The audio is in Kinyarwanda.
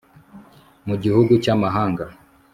mu gihugu cy'amahanga